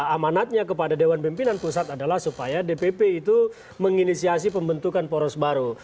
amanatnya kepada dewan pimpinan pusat adalah supaya dpp itu menginisiasi pembentukan poros baru